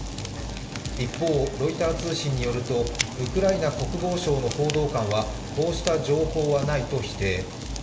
一方、ロイター通信によるとウクライナ国防省の報道官はこうした情報はないと否定。